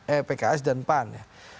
eh pks dan pan ya